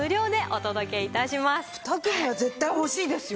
２組は絶対欲しいですよ？